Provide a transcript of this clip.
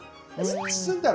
包んだらね